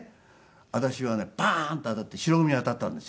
私はねバーンと当たって白組が当たったんですよ。